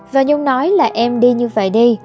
và nhung nói là em đi như vậy đi